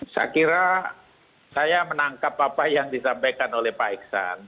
saya kira saya menangkap apa yang disampaikan oleh pak iksan